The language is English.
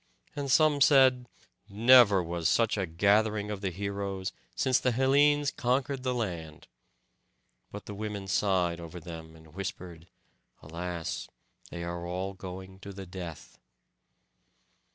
And some said, "Never was such a gathering of the heroes since the Hellenes conquered the land." But the women sighed over them, and whispered, "Alas! they are all going to the death."